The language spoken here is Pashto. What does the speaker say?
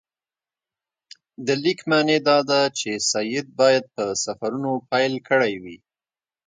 د لیک معنی دا ده چې سید باید په سفرونو پیل کړی وي.